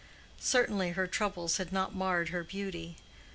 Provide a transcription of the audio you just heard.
Certainly her troubles had not marred her beauty.